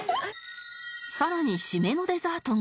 更に締めのデザートが